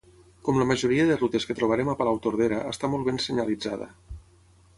Com la majoria de rutes que trobarem a Palautordera està molt ben senyalitzada